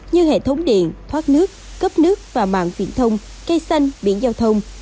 như hệ thống điện thoát nước cấp nước và mạng viễn thông cây xanh biển giao thông